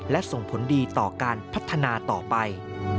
และส่งผลดีต่อการพัฒนาต่อไป